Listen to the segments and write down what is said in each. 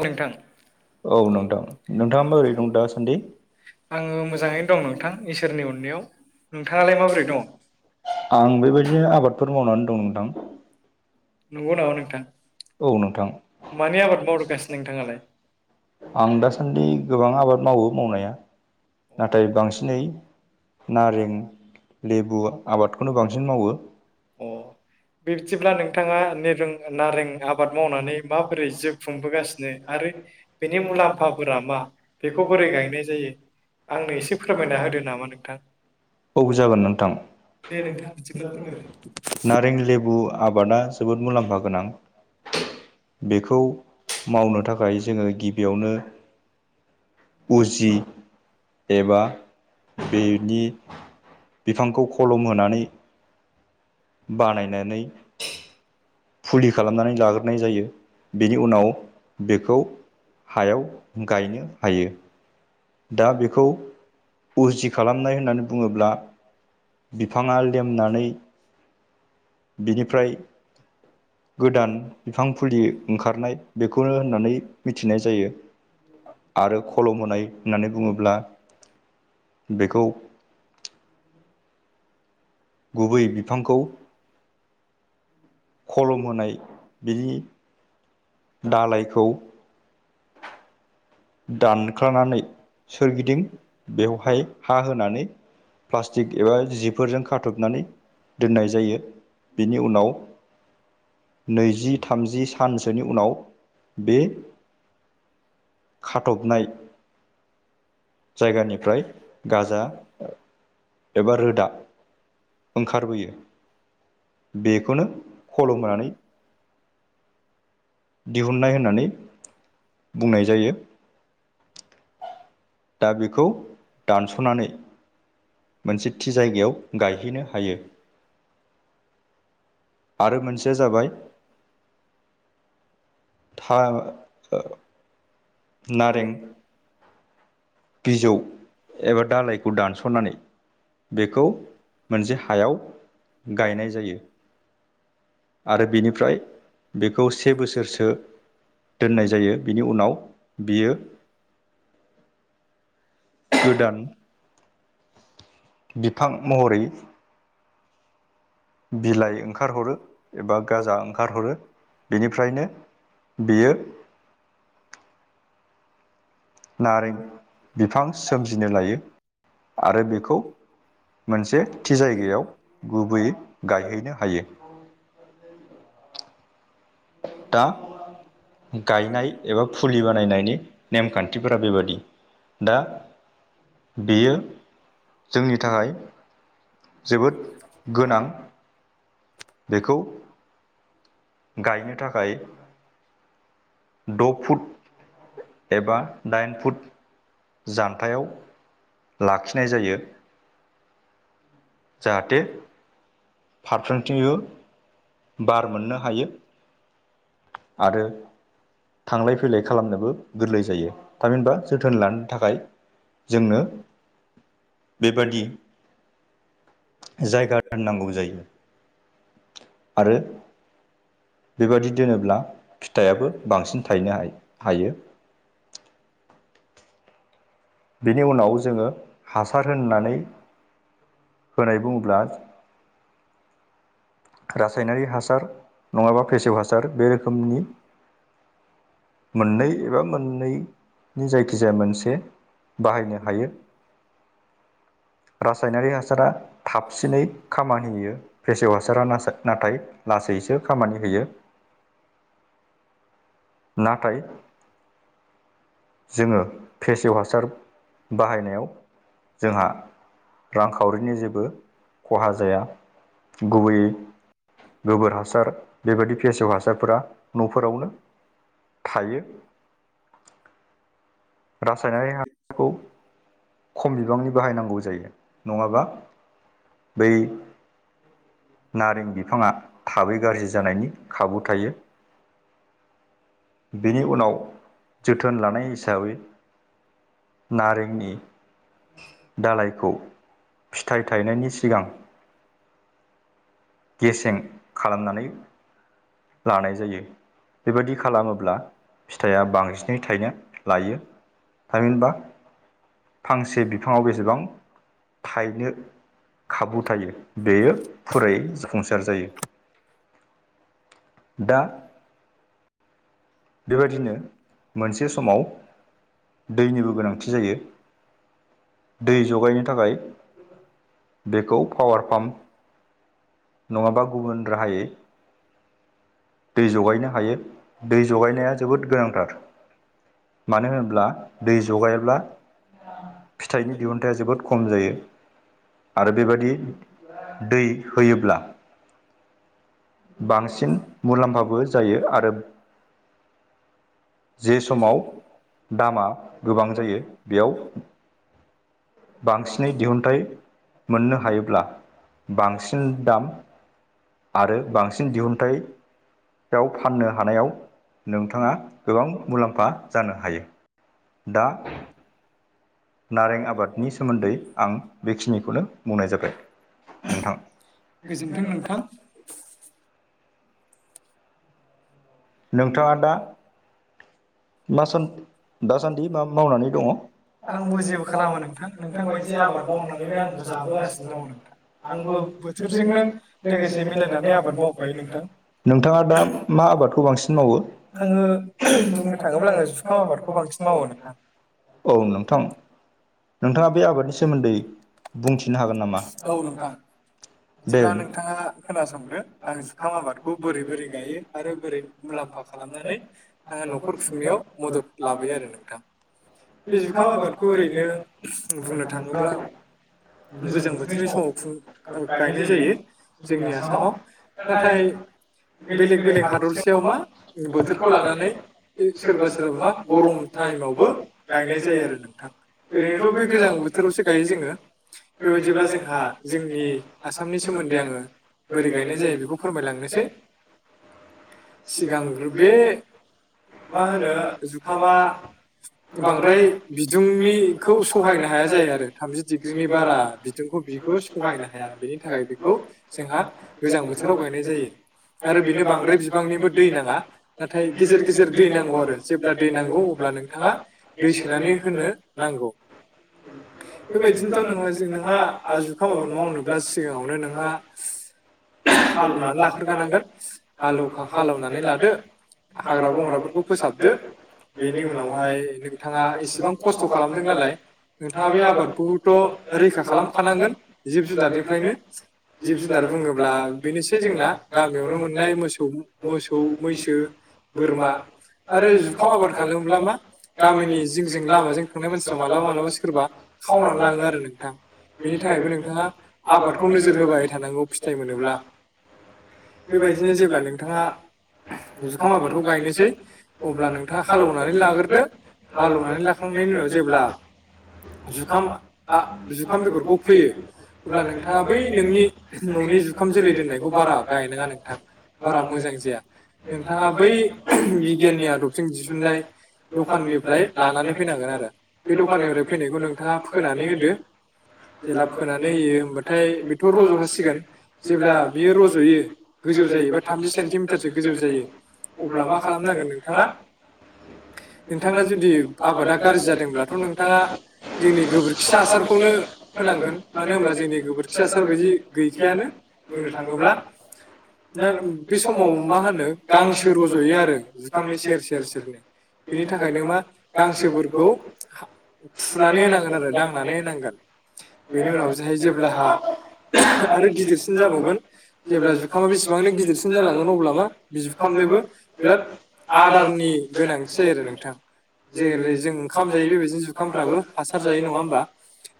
औ नोंथां औ नोंथां नोंथाङा माबोरै दं दाासान्दि? आं मोजाङैनो दं नोंथां इसोरनि अनायाव नोंथाङालाय माबोरै दं? आं बेबायदिनो आबादफोर मावनानै दं नोंथां। नंगौ नोंगौ नामा नोंथां नोंथां मानि आबाद औ मावगासिनो नोंथां। नोंथाङालाय आं दासान्दि गोबां आबाद मावो मावनाया। नाथाय बांसिनै नारें लेबु आबादखौनो बांसिन मावो। अ बिबदिब्ला नोंथाङा नें नारें आबाद मावनानै माबोरै जोब खुंबोगासिनो आरो बेनि मुलाम्फाफोरा मा बेखौ बोरै गायनाय जायो। आंनो एसे फोरमायना होदो नामा नोंथां। औ जागोन नोंथां। दे नोंथां बिदिब्ला फोरमायदो नारें लेबु आबादा जोबोद मुलाम्फा गोनां बेखौ मावनो थाखाय जोङो गिबियावनो उजि एबा बेनि बिफांखौ खलम होनानै बानायनानै। फुलि खालामनानै लाग्रोनाय जायो। बेनि उनाव बेखौ हायाव गायनो हायो। दा बेखौ उजि खालामनाय होननानै बुङोब्ला बिफाङा लेमनानै बिनिफ्राय गोदान बिफां फुलि ओंखारनाय बेखौनो होननानै मिथिनाय जायो। आरो खलम होनाय होननानै बुङोब्ला बेखौ। गुबै बिफांखौ खलम होनाय बिनि। दालायखौ। दानखानानै सोरगिदिं बेवहाय हा होनानै प्लास्टिक एबा जिफोरजों खाथबनानै दोननाय जायो। बेनि उनाव नैजि थामजि सानसोनि उनाव बे खाथबनाय। जायगानिफ्राय गाजा एबा रोदा ओंखारबोयो। बेखौनो फलंनानै दिहुननाय होननानै बुंनाय जायो दा बेखौ दानस'नानै मोनसे थि जायगायाव गायहैनो हायो आरो मोनसेया जाबाय था ओ नारें बिजौ एबा दाालइखौ दानस'नानै बेखौ मोनसे हायाव गायनाय जायो आरो बिनिफ्राय बेखौ से बोसोरसो दोननाय जायो बिनि उनाव बियो [unintelligible] गोदान बिफां महरै बिलाइ ओंखारहरो एबा गाजा ओंखारहरो बेनिफ्रायनो बेयो नारें बिफां सोमजिनो लायो आरो बेखौ मोनसे थि जायगायाव गुबैयै गायहैनो हायो दा गायनाय एबा फुलि बानायनायनि नेमखान्थिफोरा बेबादि दा बेयो जोंनि थाखाय जोबोद गोनां बेखौ गायनो थाखाय द' फुट एबा दाइन फुट जान्थायाव लाखिनाय जायो जाहाथे फारफ्रा [unintelligible] बार मोननो हायो आरो थांलाय फैलाय खालामनोबो गोरलै जायो थामहिनबा जोथोन लानो थाखाय जोंनो बेबादि जायगा दोननांगौ जायो आरो बेबादि दोनोब्ला फिथाइाबो बांसिन थायनो हायो हायो बेनि उनाव जोङो हासार होननानै होनाय बुङोब्ला रासायनारि हासार नङाबा फेसेव हासार बे रोखोमनि मोननै एबा मोननैनि जायखिजाया मोनसे बाहायनो हायो। [inaudible] रासायनारि हासारा थाबसिनै खामानि होयो फेसेव हासा सारा ना नाथाय लासैसो खामानि होयो नाथाय जोङो फेसेव हासार बाहायनायाव जोंहा रांखावरिनि जेबो खहा जाया गुबैयै गोबोर हासार बेबादि फेसेव हासारफोरा न'फोरावनो थायो रासायनारि हासारखौ खम बिबांनि बाहायनांगौ जायो नङाबा बै नारें बिफाङा थाबै गाज्रि जानायनि खाबु थायो बेनि उनाव जोथोन लानाय हिसाबै नारेंनि दालायखौ फिथाइ थाइनायनि सिगां गेसें खालामनानै लानाय जायो बेबायदि खालामोब्ला फिथाइया बांसिनै थाइनो लायो थामहिनबा फांसे बिफाङाव बेसेबां थायनो खाबु थायो। बेयो फुरायै जाफुंसा सार जायो। दा बेबायदिनो मोनसे समाव दैनिबो गोनांथि जायो। दै जगायनो थाखाय बेखौ पावार पाम नङाबा गुबुन राहायै दै जगायनो हायो। दै जगायनाया जोबोद गोनांथार। मानो होनोब्ला दै जगायाब्ला फिथाइनि दिहुनथाइया जोबोद खम जायो। आरो बेबादि दै होयोब्ला बांसिन मुलाम्फाबो जायो। आरो जे समाव दामा गोबां जायो। बेयाव बांसिनै दिहुनथाइ मोननो हायोब्ला बांसिन दाम आरो बांसिन दिहुनथाय याव फाननो हानायाव नों थाङा गोबां मुलाम्फा जानो हायो। दा नारें आबादनि सोमोन्दै आं बेखिनिखौनो बुंनाय जाबाय नोंथां। गोजोन्थों नोंथां। नोंथाङा दा मासान दासान्दि मा मावनानै दङ? आंबो जे खालामो नोंबायदि आबाद मावनानैनो आंबो जाबबोगासिनो दङ। आंबो बिदिनो लोगोसे मेलायनानै आबाद मावफायो नोंथां। नोंथाङा दा मा आबादखौ बां आङो दुंनाय औ नोंथां। नोंथाङा बे आबादनि सोमोन्दै बुंथिनो हागोन नामा? औ नोंथां बिदिब्ला नोंथाङा खोनासंदो। आं जुखाम आबादखौ बोरै बोरै गायो आरो बोरै मुलाम्फा खालामनानै ओ न'खर खुंनायाव मदद लाबोयो आरो नोंथां। बे जुखाम आबादखौ ओरैनो बुंनो थाङोब्ला गोजां बोथोरनि समाव खुं ओ गायनाय जायो। जोंनि आसामाव नाथाय बेलेग बेलेग हादर सिं थेयाव मा बोथोरखौ लानानै सोरबा सोरबा मा गरम टाइमावबो गायनाय जा - जायो आरो नोंथां। ओरैनोथ' बे गोजां बोथोरावसो गायो जोङो। बेबायदिब्ला जोंहा जोंनि आसामनि सोमोन्दै आङो बोरै गायनाय जायो बेखौ फोरमायलांनोसै। सिगांग्रो बे मा होनो जुखामा बांद्राय बिदुंनिखौ सहायनो हाया जायो आरो। थामजि डिग्रिनि बारा बिदुंखौ बिखौ सहायनो हाया। बे नि थाखाय बेखौ जोंहा गोजां बोथोराव गायनाय जायो। आरो बेनो बांद्राय बिबांनिबो दै नाङा नाथाय गेजेर गेजेर दै नांगौ आरो। जेब्ला दै नांगौ अब्ला नोंथाङा दै सोनानै होनो नांगौ। बेबायदिनोथ' नोङो नोंहा आ जुखाम मावनो अब्ला सिगाङावनो नोंहा हालौवनानै लाख्रो खानांगोन हालौखा हालौव नानै लादो हाग्रा बंग्राफोरखौ फोसाबदो। बेनि उनावहाय नोंथाङा एसेबां खस्थ' खालामदों नालाय। नोंथाङा बे आबादखौथ' रैखा खालामखानांगोन जिब जुनार रिफ्रायनो जिब जुनार बुङोब्ला बेनोसै जोंना गामियावनो मोननाय मोसौ मोस सौ, मैसो, बोरमा आरो जुखाम आबाद खालामोब्ला मा। गामिनि जिंजों लामाजों थांनाय मानसिफ्रा मालाबा मालाबा सोरबा खावनानै लाङो आरो नोंथां। बेनि थाखायबो नोंथाङा। आबादखौ नोजोर होबाय थानांगौ फिथाइ मोनोब्ला बेबायदिनो जेब्ला नोंथाङा [unintelligible] जुखाम आबादखौ गायनोसै अब्ला नोंथाङा हालौवनानै लाग्रोदो हालौवनानै लाखांनायनि उनाव जेब्ला जुखाम आ जुखाम बेगरखौ फोयो अब्ला नोंथाङा बै नोंनि न'नि जुखाम जोलै दोननायखौ बारा गायनाङा नोंथां बारा मोजां जाया। नोंथाङा बै [unintelligible] बिगियाननि आदबजों दिहुननाय दखाननिफ्राय लानानै फैनाय फैनांगोन आरो बे दखाननिफ्राय फैनायखौ नोंथाङा फोनानै होदो जेल्बा सोना [unintelligible] जेब्ला फोनानै होयो होमबाथाय बेथ' रज'खासिगोन जेब्ला बियो रज'यो गोजौ जायोबा थामजि सेन्टिमिटारसो गोजौ जायो अब्ला मा खालामनांगोन नोंथाङा [unintelligible] नोंथाङा जुदि आबादा गाज्रि जायोब्लाथ' नोंथाङा [unintelligible] मानो होनब्ला जोंनि गोबोरखि हासारखौनो होनांगोन मानो होनबा जोंनि गोबोरखि हासार बायदि गैखायानो [unintelligible] बुंनो बुंनोथङोब्ला। थाङोब्ला दा बे समाव मा खालामनो गांसो रज'यो आरो जुखामनि सेर सेर। बेनि थाखाय गोबां गांसोफोरखौ फुनानै होनांगोन [unintelligible] [inaudible] बेनि उनाव जोहाय जेब्लाहा [unintelligible] आरो गिदिरसिन जाबावगोन जेब्ला जुखामा बेसेबांनो गिदिरसिन जालांगोन अब्ला मा बि जुखामनोबो बिराद आदारनि गोनांथि जायो आरो नोंथां। जेरै जों ओंखाम जायो बेबायदिनो जुखामफ्राबो हासार जायो नङा होमबा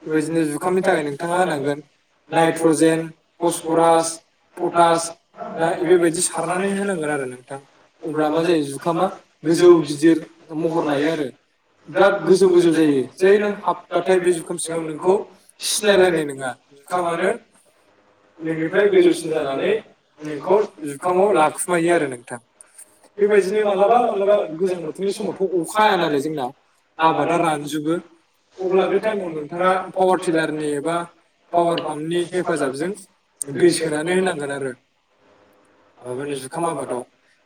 बेबायदिनो जुखाम थाखाय नोंथाङा होनांगोन नायट्र'जेन फसफरास पटास [unintelligible] बिदि सारनानै होनांगोन आरो नोंथां। अब्ला मा जायो जुखामा गोजौ गिदिर महर लायो आरो। ब्राद गोजौ गोजौ जायो जै नों हाब्बाथाय बे जुखाम सिङाव नोंखौ सिनायलायनाय नङा जुखामानो नोंनिफ्राय गोजौसिन जानानै नोंखौ जुखामाव लाखुमायो आरो नोंथां। बेबायदिनो मालाबा मालाबा गोजां बोथोरनि समावथ' अखा हारा नालाय जोंना आबादा रानजोबो अब्ला बे टाइमाव नोंथाङा पावार टिलारनि एबा पावार पाम्पनि हेफाजाबजों दै सोनानै होनांगोन आरो। [inaudible] माबानि जुखाम आबादाव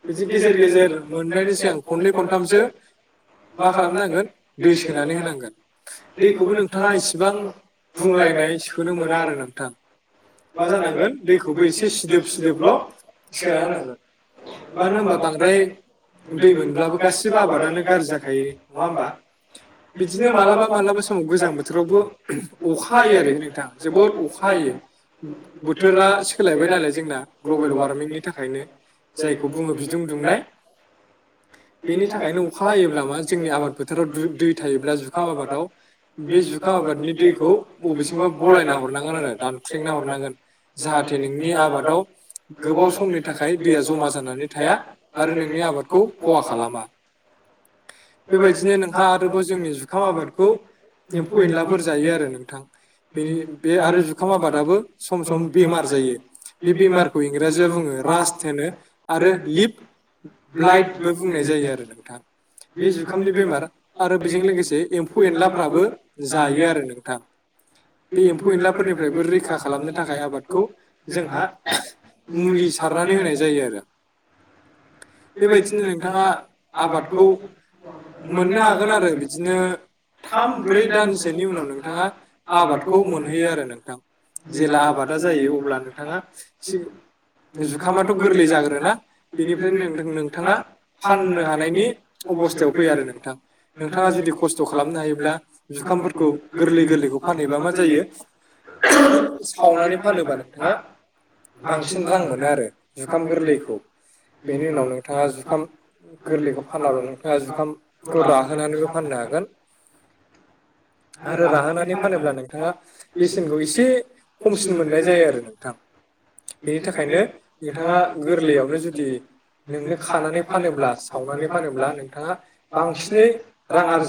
बिदि गेजेर गेजेर मोननायनि सिगां खननै खनथामसो मा खालामनांगोन दै सोनानै होनांगोन दैखौबो नोंथाङा इसिबां बुंलायनाय सोनो मोना आरो नोंथां। मा जानांगोन दैखौबो एसे सिदोब सिदोबल' सोना होनांगोन। मानो होमबा बांद्राय दै मोनब्लाबो गासिबो आबादानो गाज्रि जाखायो नङा होमबा? बिदिनो मालाबा मालाबा समाव गोजां बोथोरावबो [unintelligible] अखा हायो आरो नोंथां जोबोद अखा हायो ब बोथोरा सोलायबाय नालाय जोंना ग्लबेल ग्लबोल वार्मिंनि थाखायनो जायखौ बुङो बिदुं दुंनाय। [inaudible] बेनि थाखायनो अखा हायोब्ला मा जोंनि आबाद फोथाराव दु दै थायोब्ला जुखाम आबादाव बे जुखाम आबादनि दैखौ बबेथिंबा बलायना हरनांगोन आरो दानख्लेंना हरनांगोन जाहाथे नोंनि आबादाव गोबाव समनि थाखाय दैया जमा जानानै थाया आरो नोंनि आबादखौ खहा खालामा। बेबायदिनो नोंहा आरोबाव जोंनि जुखाम आबादखौ एम्फौ एनलाफोर जायो आरो नोंथां बेनि बे आरो जुखाम आबादाबो सम सम बेमार जायो। बे बि बेमार बेमारखौ इंराजियाव बुङो राजस्त होनो आरो लिप ब्लाइटबो बुंनाय जायो आरो नोंथां। बे जुखामनि बेमार आरो बेजों लोगोसे एम्फौ एनलाफ्राबो जायो आरो नोंथां। बे एम्फौ-एनलाफोरनिफ्रायबो रैखा खालामनो थाखाय आबादखौ जोंहा मुलि सारनानै होनाय जायो आरो बेबायदिनो नोंथाङा आबादखौ मोननो हागोन आरो बिदिनो थाम ब्रै दानसोनि उनाव नों थाङा आबादखौ मोनहैयो आरो नोंथां। जेला आबादा जायो अब्ला नोंथाङा सि जुखामाथ' गोरलै जाग्रोरोना बेनिफ्रायनो नोंथां नोंथाङा फाननो हानायनि अबस्थायाव फैयो आरो नोंथां नोंथाङा जुदि खस्थ' खालामनो हायोब्ला जु [inaudible] गोरलै गोरलैखौ फानग्रोनानै मा जायो जायो सावनानै फानोबा फाननो नोंथाङा हागोन। बांसिन रां मोनगोन आरो जुखाम गोरलैखौ बेनि उनाव गोरलैखौ फानाब्ला नोंथाङा जुखामखौ गोरा राहोनानैबो फाननो जुखाम [inaudible] हागोन [inaudible] आरो राहोनानै फानोब्ला नोंथाङा बेसेनखौ एसे खमसिन मोननाय जायो आरो नोंथां। बेनि थाखायनो नोंथाङा गोरलैयावनो जुदि नोंनो खानानै फानोब्ला सावनानै फानोब्ला नोंथाङा बांसिनै रां आरजि